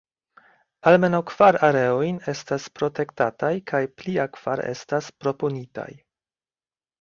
Almenaŭ kvar areojn estas protektataj kaj plia kvar estas proponitaj.